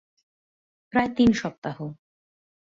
প্রায় তিন সপ্তাহ।